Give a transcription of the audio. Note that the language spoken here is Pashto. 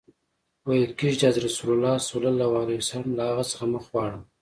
ویل کیږي چي حضرت رسول ص له هغه څخه مخ واړاوه.